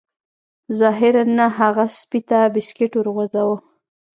ظاهراً نه هغه سپي ته بسکټ وغورځاوه